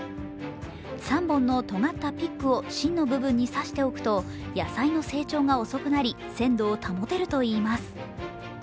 ３本のとがったピックを芯の部便んに刺しておくと野菜の成長が遅くなり鮮度を保てるといいます。